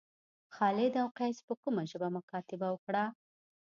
خالد او قیس په کومه ژبه مکاتبه وکړه.